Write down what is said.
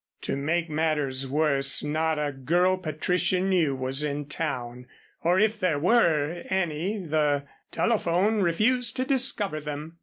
To make matters worse not a girl Patricia knew was in town, or if there were any the telephone refused to discover them.